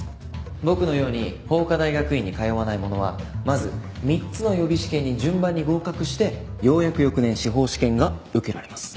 僕のように法科大学院に通わない者はまず３つの予備試験に順番に合格してようやく翌年司法試験が受けられます。